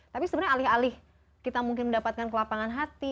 tapi sebenarnya alih alih kita mungkin mendapatkan kelapangan hati